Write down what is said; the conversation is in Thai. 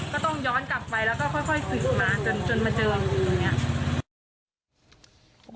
ก็ต้องย้อนกลับไปแล้วก็ค่อยสืบมาจนมาเจองูอย่างนี้